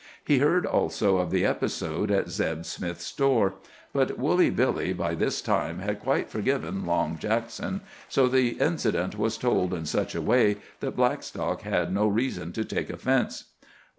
He heard also of the episode at Zeb Smith's store, but Woolly Billy by this time had quite forgiven Long Jackson, so the incident was told in such a way that Blackstock had no reason to take offence.